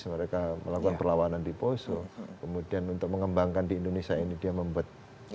mereka melakukan perlawanan di poso kemudian untuk mengembangkan di indonesia ini dia membuat